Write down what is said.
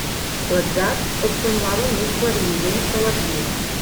L'atzar els semblava més clarivident que la tria.